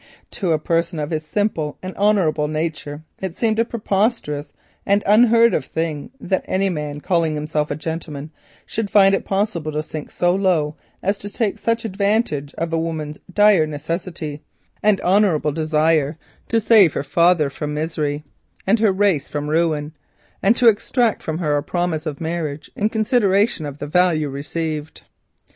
To a person of his simple and honourable nature, it seemed a preposterous and unheard of thing that any man calling himself a gentleman should find it possible to sink so low as to take such advantage of a woman's dire necessity and honourable desire to save her father from misery and her race from ruin, and to extract from her a promise of marriage in consideration of value received.